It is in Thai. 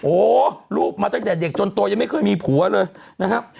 โอ้รูปมาตั้งแต่เด็กจนโตยังไม่เคยมีผัวเลยนะครับ